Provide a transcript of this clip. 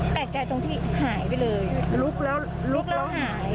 แปลกใจตรงที่หายไปเลยลุกแล้วหาย